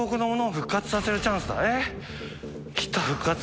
復活。